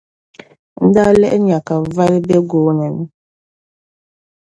n daa lihi nya ka voli be gooni ni.